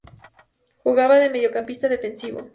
Jugaba de mediocampista defensivo.